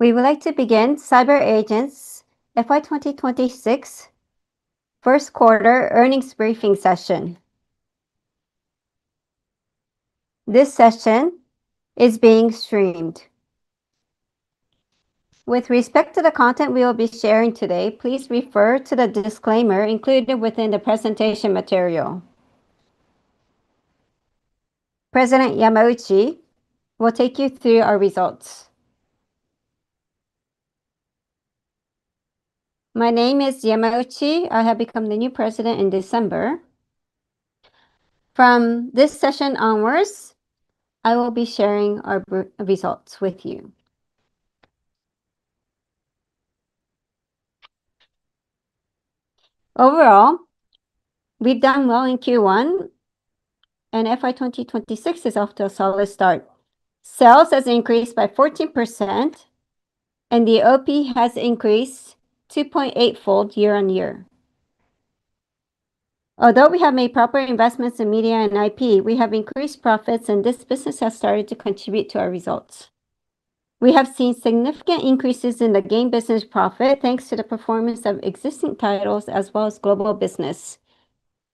We would like to begin CyberAgent's FY 2026 First Quarter Earnings Briefing Session. This session is being streamed. With respect to the content we will be sharing today, please refer to the disclaimer included within the presentation material. President Yamauchi will take you through our results. My name is Yamauchi. I have become the new president in December. From this session onwards, I will be sharing our results with you. Overall, we've done well in Q1, and FY 2026 is off to a solid start. Sales has increased by 14%, and the OP has increased 2.8-fold year-on-year. Although we have made proper investments in media and IP, we have increased profits, and this business has started to contribute to our results. We have seen significant increases in the game business profit, thanks to the performance of existing titles as well as global business.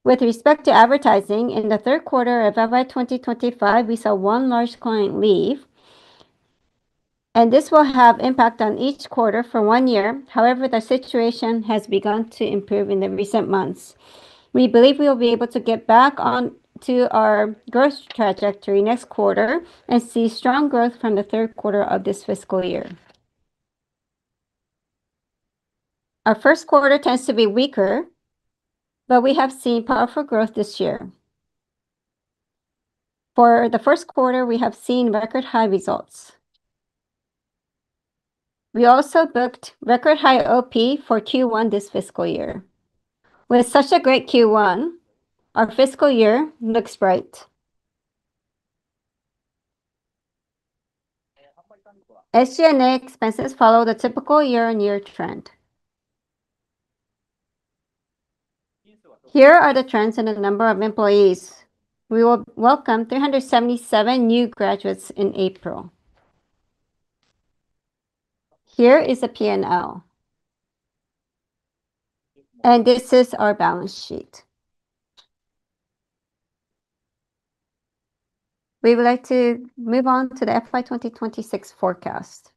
With respect to advertising, in the third quarter of FY 2025, we saw one large client leave, and this will have impact on each quarter for one year. However, the situation has begun to improve in the recent months. We believe we will be able to get back on to our growth trajectory next quarter and see strong growth from the third quarter of this fiscal year. Our first quarter tends to be weaker, but we have seen powerful growth this year. For the first quarter, we have seen record-high results. We also booked record-high OP for Q1 this fiscal year. With such a great Q1, our fiscal year looks bright. SG&A expenses follow the typical year-on-year trend. Here are the trends in the number of employees. We will welcome 377 new graduates in April. Here is the P&L, and this is our balance sheet. We would like to move on to the FY 2026 forecast.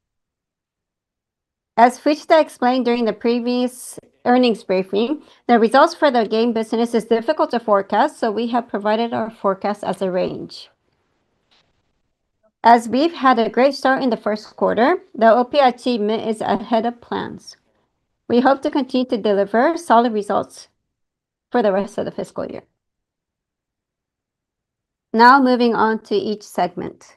As Fujita explained during the previous earnings briefing, the results for the game business is difficult to forecast, so we have provided our forecast as a range. As we've had a great start in the first quarter, the OP achievement is ahead of plans. We hope to continue to deliver solid results for the rest of the fiscal year. Now moving on to each segment.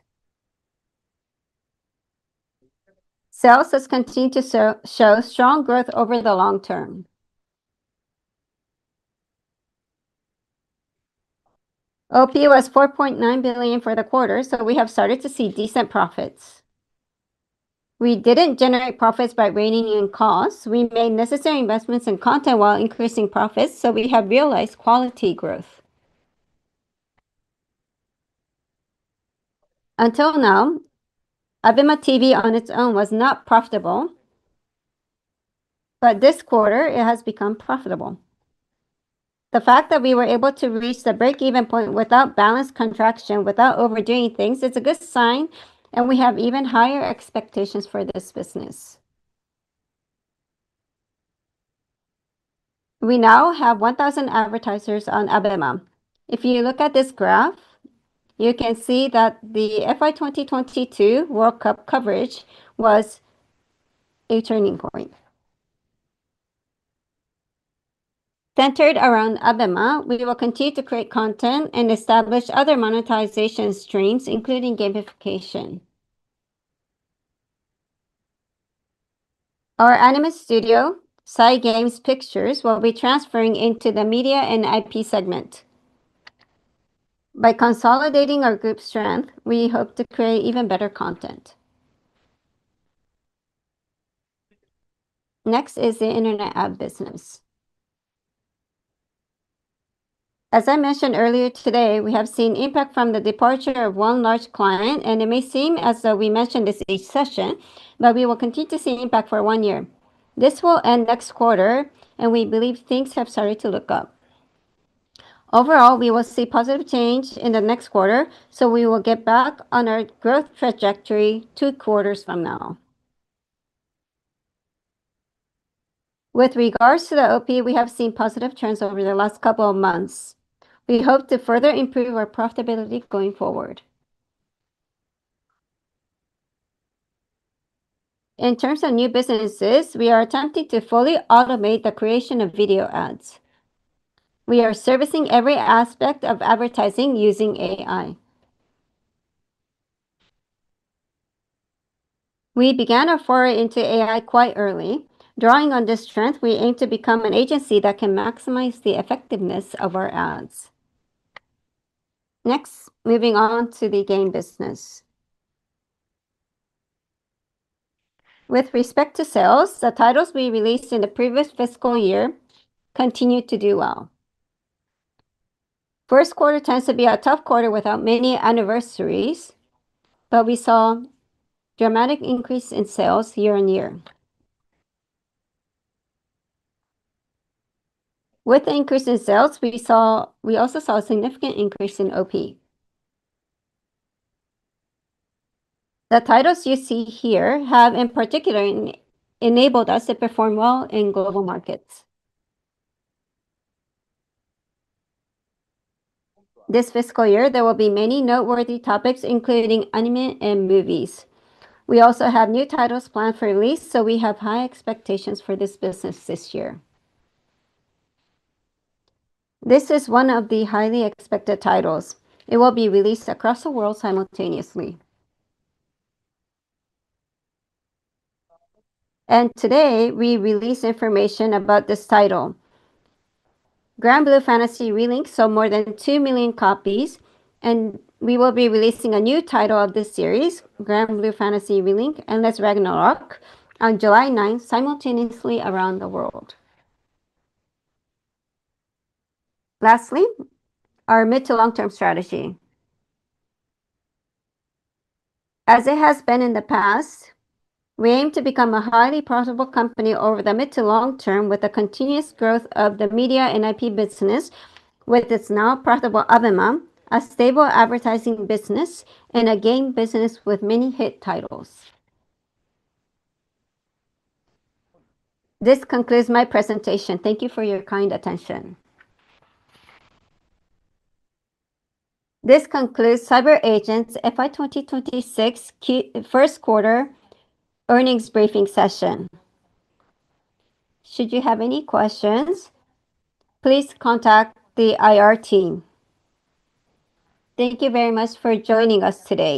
Sales has continued to show strong growth over the long term. OP was 4.9 billion for the quarter, so we have started to see decent profits. We didn't generate profits by reining in costs. We made necessary investments in content while increasing profits, so we have realized quality growth. Until now, AbemaTV on its own was not profitable, but this quarter it has become profitable. The fact that we were able to reach the break-even point without balance contraction, without overdoing things, is a good sign, and we have even higher expectations for this business. We now have 1,000 advertisers on ABEMA. If you look at this graph, you can see that the FY 2022 World Cup coverage was a turning point. Centered around ABEMA, we will continue to create content and establish other monetization streams, including gamification. Our anime studio, Cygames Pictures, will be transferring into the media and IP segment. By consolidating our group's strength, we hope to create even better content. Next is the internet ad business. As I mentioned earlier today, we have seen impact from the departure of one large client, and it may seem as though we mention this each session, but we will continue to see impact for one year. This will end next quarter, and we believe things have started to look up. Overall, we will see positive change in the next quarter, so we will get back on our growth trajectory two quarters from now. With regards to the OP, we have seen positive trends over the last couple of months. We hope to further improve our profitability going forward. In terms of new businesses, we are attempting to fully automate the creation of video ads. We are servicing every aspect of advertising using AI. We began our foray into AI quite early. Drawing on this strength, we aim to become an agency that can maximize the effectiveness of our ads. Next, moving on to the game business. With respect to sales, the titles we released in the previous fiscal year continued to do well. First quarter tends to be a tough quarter without many anniversaries, but we saw dramatic increase in sales year-on-year. With the increase in sales, we saw, we also saw a significant increase in OP. The titles you see here have, in particular, enabled us to perform well in global markets. This fiscal year, there will be many noteworthy topics, including anime and movies. We also have new titles planned for release, so we have high expectations for this business this year. This is one of the highly expected titles. It will be released across the world simultaneously. Today, we release information about this title. Granblue Fantasy: Relink sold more than 2 million copies, and we will be releasing a new title of this series, Granblue Fantasy: Relink - Endless Ragnarok, on July ninth, simultaneously around the world. Lastly, our mid to long-term strategy. As it has been in the past, we aim to become a highly profitable company over the mid to long term, with a continuous growth of the media and IP business, with its now profitable ABEMA, a stable advertising business, and a game business with many hit titles. This concludes my presentation. Thank you for your kind attention. This concludes CyberAgent's FY2026 Q1 first quarter earnings briefing session. Should you have any questions, please contact the IR team. Thank you very much for joining us today.